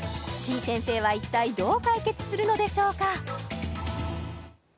先生は一体どう解決するのでしょうか？